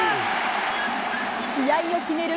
試合を決める